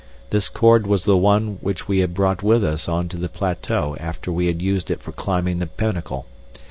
This cord was the one which we had brought with us on to the plateau after we had used it for climbing the pinnacle.